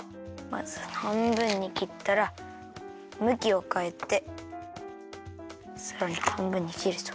まずはんぶんにきったらむきをかえてさらにはんぶんにきると。